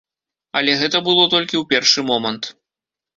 Але гэта было толькі ў першы момант.